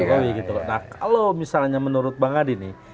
nah kalau misalnya menurut bang adi nih